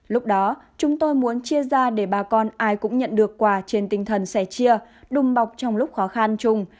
lúc đó chúng tôi muốn chia ra để bà con ai cũng nhận được quà trên tinh thần sẻ chia đùng bọc trong lúc khó khăn chung